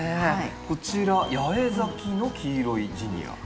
こちら八重咲きの黄色いジニアですかね。